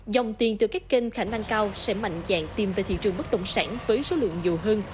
dòng tiền từ các kênh khả năng cao sẽ mạnh dạng tìm về thị trường bất động sản với số lượng nhiều hơn